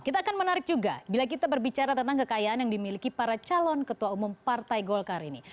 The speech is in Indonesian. kita akan menarik juga bila kita berbicara tentang kekayaan yang dimiliki para calon ketua umum partai golkar ini